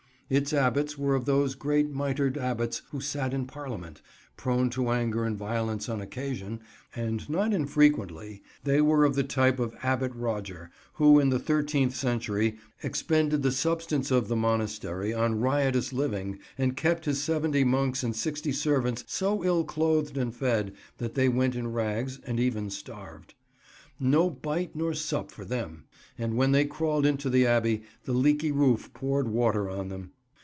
Its Abbots were of those great mitred Abbots who sat in Parliament, prone to anger and violence on occasion; and not infrequently they were of the type of Abbot Roger, who in the thirteenth century expended the substance of the monastery on riotous living and kept his seventy monks and sixty servants so ill clothed and fed that they went in rags and even starved. No bite nor sup for them; and when they crawled into the Abbey, the leaky roof poured water on them.